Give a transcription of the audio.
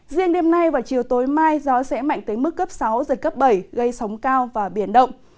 riêng đêm nay và chiều tối mai gió sẽ mạnh tới mức cấp sáu giật cấp bảy gây sóng cao và biển động